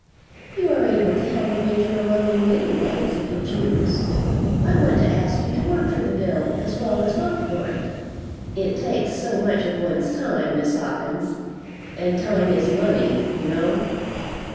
You are able to help a measure along in many ways, if you choose. I want to ask you to work for the bill as well as vote for it." "It takes so much of one's time, Miss Hawkins and time is money, you know."